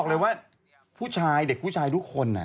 เลยว่าผู้ชายเด็กผู้ชายทุกคน